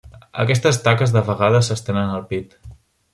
Aquestes taques de vegades s'estenen al pit.